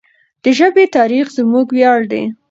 د ژبې تاریخ زموږ ویاړ دی.